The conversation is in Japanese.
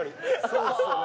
そうっすよね。